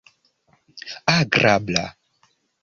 agrabla